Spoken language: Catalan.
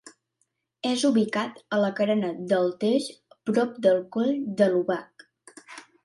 És ubicat a la carena del Teix, prop del Coll de l'Obac.